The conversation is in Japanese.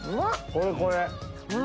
これこれ。